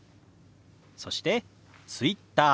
そして「Ｔｗｉｔｔｅｒ」。